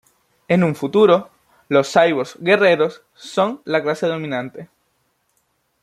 En un futuro, los cyborg guerreros son la clase dominante.